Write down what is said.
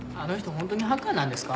ホントにハッカーなんですか？